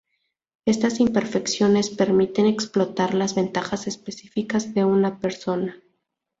Estas imperfecciones permiten explotar las ventajas específicas de una empresa.